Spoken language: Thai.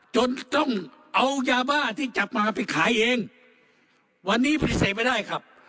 จนต้องเอายาบ้าที่จับมาไปขายเองวันนี้ปฏิเสธไม่ได้ครับ